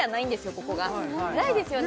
ここがないですよね